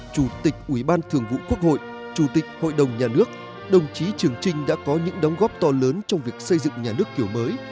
chủ tịch ủy ban thường vụ quốc hội chủ tịch hội đồng nhà nước đồng chí trường trinh đã có những đóng góp to lớn trong việc xây dựng nhà nước kiểu mới